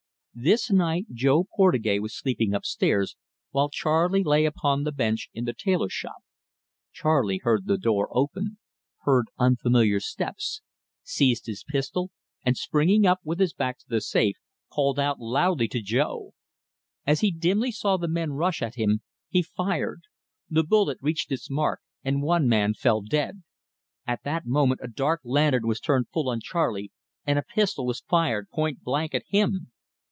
This night Jo Portugais was sleeping up stairs, while Charley lay upon the bench in the tailor shop. Charley heard the door open, heard unfamiliar steps, seized his pistol, and, springing up, with his back to the safe, called out loudly to Jo. As he dimly saw men rush at him, he fired. The bullet reached its mark, and one man fell dead. At that moment a dark lantern was turned full on Charley, and a pistol was fired pointblank at him.